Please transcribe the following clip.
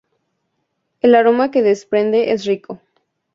El aroma que desprende es rico.